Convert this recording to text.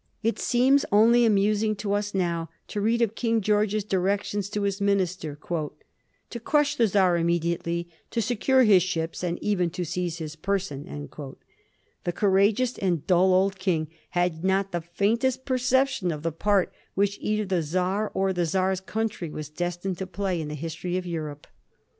It seems only amusing to us now to read of King Greorge's directions to his minister —' To crush the Czar immediately, to secure his ships, and even to seize his person/ The coura geous and dull old King had not the faintest percep tion of the part which either the Czar or the Czar's country was destined to play in the history of Europe.